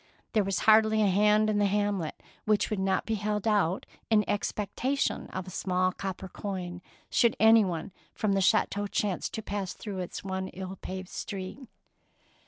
There was hardly a hand in the hamlet which would not be held out in expectation of a small copper coin, should anyone from the chateau chance to pass through its one ill paved street.